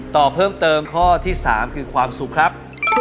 ต่อเพิ่มเติมข้อที่๓คือความสุขครับ